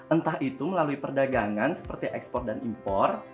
entah itu melalui perdagangan seperti ekspor dan impor